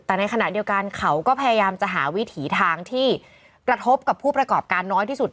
แต่ในขณะเดียวกันเขาก็พยายามจะหาวิถีทางที่